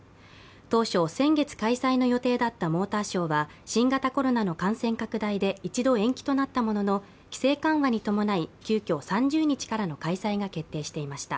当初、先月開催の予定だったモーターショーは新型コロナの感染拡大で一度延期となったものの、規制緩和に伴い急きょ、３０日からの開催が決定していました。